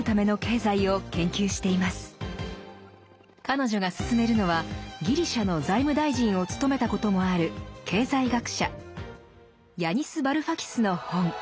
彼女が薦めるのはギリシャの財務大臣を務めたこともある経済学者ヤニス・バルファキスの本。